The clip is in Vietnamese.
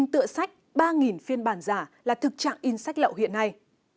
một tựa sách ba phiên bản giả là thực trạng in sách lậu hiện nay